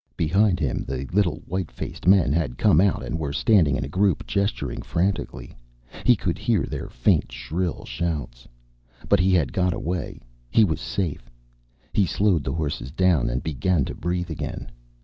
Behind him the little white faced men had come out and were standing in a group, gesturing frantically. He could hear their faint shrill shouts. But he had got away. He was safe. He slowed the horses down and began to breathe again.